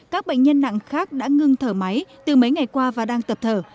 các bệnh nhân nặng khác đã ngưng thở máy từ mấy ngày qua và đang tập thở